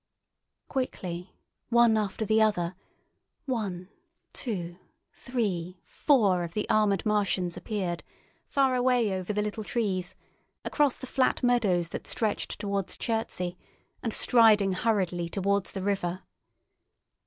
Quickly, one after the other, one, two, three, four of the armoured Martians appeared, far away over the little trees, across the flat meadows that stretched towards Chertsey, and striding hurriedly towards the river.